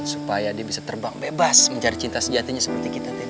supaya dia bisa terbang bebas mencari cinta sejatinya seperti kita